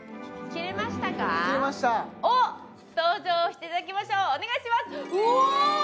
着れましたおっ登場していただきましょうお願いしますうお！